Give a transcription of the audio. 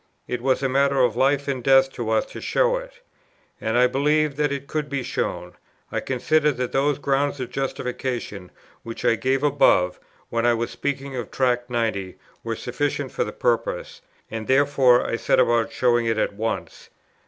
It was a matter of life and death to us to show it. And I believed that it could be shown; I considered that those grounds of justification, which I gave above, when I was speaking of Tract 90, were sufficient for the purpose; and therefore I set about showing it at once.